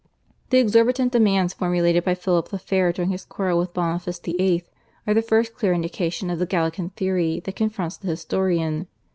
The exorbitant demands formulated by Philip the Fair during his quarrel with Boniface VIII. are the first clear indication of the Gallican theory that confronts the historian.